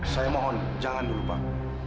saya mohon jangan dulu pak